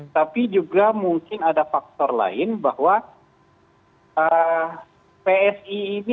tapi juga mungkin ada faktor lain bahwa psi ini